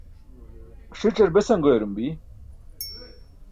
ṣic̣ar besan goyarum bi?